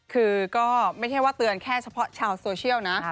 คือก็ไม่ใช่ว่าเตือนแค่เฉพาะชาวโซเชียลนะ